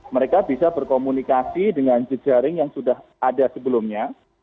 mereka bisa berkomunikasi dengan jejaring yang sudah ada sebelumnya